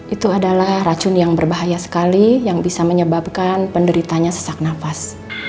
itu adalah racun yang berbahaya sekali yang bisa menyebabkan penderitanya sesak nafas